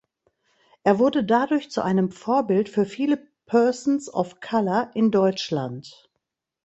Er wurde dadurch zu einem Vorbild für viele Persons of Color in Deutschland.